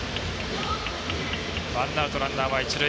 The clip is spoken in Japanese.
ワンアウト、ランナーは一塁。